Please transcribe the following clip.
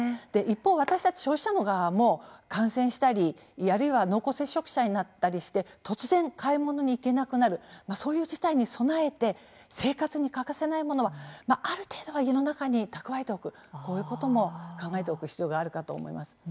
一方、私たち消費者の側も感染したりあるいは濃厚接触者になったりして突然、買い物に行けなくなるそういう事態に備えて生活に欠かせないものはある程度は家の中に蓄えておくこういうことも考えておく必要があるかと思います。